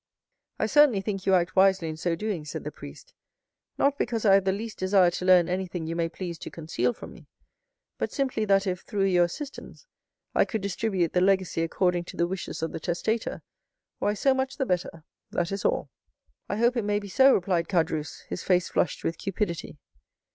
"I certainly think you act wisely in so doing," said the priest. "Not because I have the least desire to learn anything you may please to conceal from me, but simply that if, through your assistance, I could distribute the legacy according to the wishes of the testator, why, so much the better, that is all." "I hope it may be so," replied Caderousse, his face flushed with cupidity.